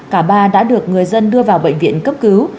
cả ba đã được người dân đưa vào bệnh viện cấp cứu